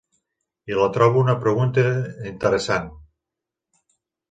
I la trobo una pregunta interessant.